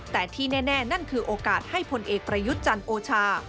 แต่ที่แน่นั่นคือโอกาสให้พลเอกประยุทธ์จันทร์โอชา